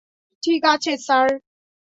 ঠিক আছে, স্যার!